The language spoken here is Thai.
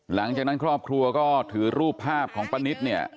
หลังจากนั้นครอบครัวก็ถือรูปภาพของป้านิตเนี่ย